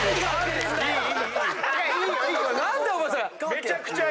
めちゃくちゃいい！